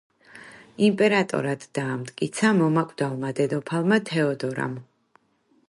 იმპერატორად დაამტკიცა მომაკვდავმა დედოფალმა თეოდორამ.